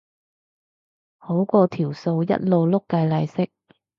好過條數一路碌計利息